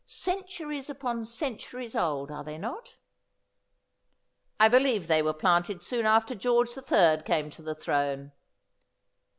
'Cen turies upon centuries old, are they not ?'' I believe they were planted soon after George the Third came to the throne.'